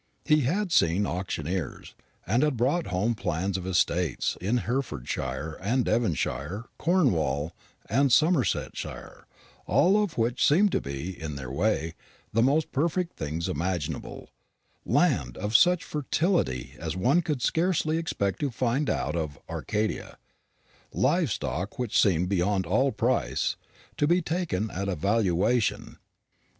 He had seen auctioneers, and had brought home plans of estates in Herefordshire and Devonshire, Cornwall and Somersetshire, all of which seemed to be, in their way, the most perfect things imaginable land of such fertility as one would scarcely expect to find out of Arcadia live stock which seemed beyond all price, to be taken at a valuation.